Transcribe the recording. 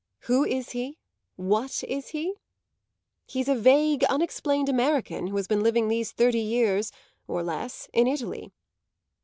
Who is he, what is he? He's a vague, unexplained American who has been living these thirty years, or less, in Italy.